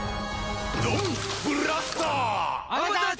「ドンブラスター！」